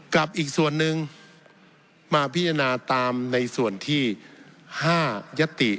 กับอีกส่วนหนึ่งมาพิจารณาตามในส่วนที่๕ยติ